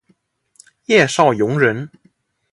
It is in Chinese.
叶绍颙人。